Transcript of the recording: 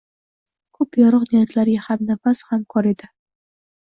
Ko‘p yorug‘ niyatlarga hamnafas, hamkor edi